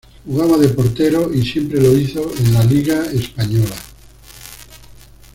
Jugaba de portero y siempre lo hizo en la Liga Española.